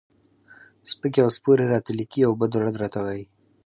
سپکې او سپورې راته لیکي او بد و رد راته وایي.